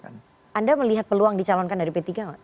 anda melihat peluang dicalonkan dari p tiga nggak